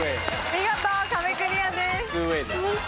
見事壁クリアです。